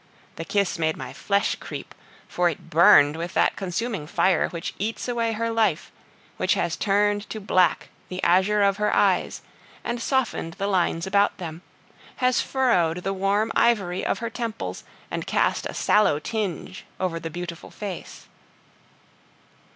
The kiss made my flesh creep, for it burned with that consuming fire which eats away her life, which has turned to black the azure of her eyes, and softened the lines about them, has furrowed the warm ivory of her temples, and cast a sallow tinge over the beautiful face.